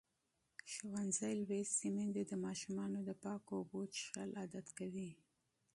ښوونځې لوستې میندې د ماشومانو د پاکو اوبو څښل عادت کوي.